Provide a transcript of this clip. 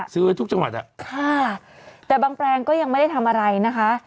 ซื้อไว้ทุกจังหวัดอ่ะค่ะแต่บางแปลงก็ยังไม่ได้ทำอะไรนะคะ